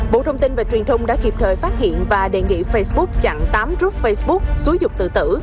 bộ thông tin và truyền thông đã kịp thời phát hiện và đề nghị facebook chặn tám group facebook xúi dục tự tử